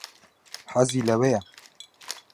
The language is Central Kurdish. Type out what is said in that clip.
حەزی لەوەیە.